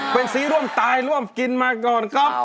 เป็นสีร่วมตายร่วมกินมาก่อนครับ